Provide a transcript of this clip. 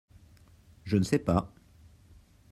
Je ne sais pas !